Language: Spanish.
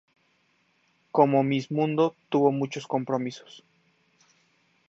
Como Miss Mundo, tuvo muchos compromisos.